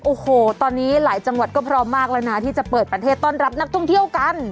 โอ้โหตอนนี้หลายจังหวัดก็พร้อมมากแล้วนะที่จะเปิดประเทศต้อนรับนักท่องเที่ยวกัน